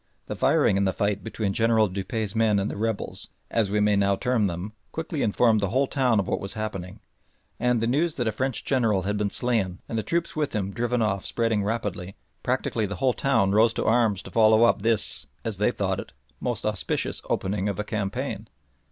The firing in the fight between General Dupuy's men and the rebels, as we may now term them, quickly informed the whole town of what was happening, and, the news that a French General had been slain and the troops with him driven off spreading rapidly, practically the whole town rose to arms to follow up this, as they thought it, most auspicious opening of a campaign.